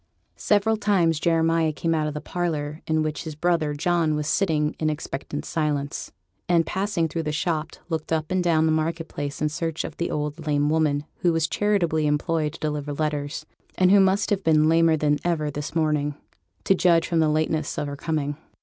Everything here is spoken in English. Several times Jeremiah came out of the parlour in which his brother John was sitting in expectant silence, and, passing through the shop, looked up and down the market place in search of the old lame woman, who was charitably employed to deliver letters, and who must have been lamer than ever this morning, to judge from the lateness of her coming.